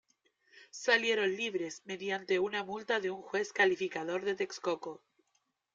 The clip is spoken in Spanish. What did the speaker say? Salieron libres mediante una multa de un juez calificador de Texcoco.